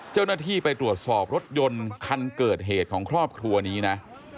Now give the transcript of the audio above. เจ้าหน้าที่ไปตรวจสอบรถยนต์คันเกิดเหตุของครอบครัวนี้นะ